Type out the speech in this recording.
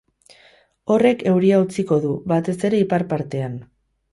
Horrek euria utziko du, batez ere ipar partean.